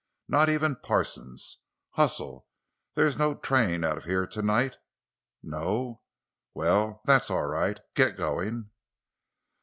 Not even Parsons. Hustle! There is no train out of here tonight? No? Well, that's all right. Get going!"